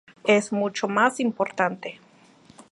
Es mucho más importante.